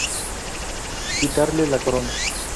Quitarle la corona.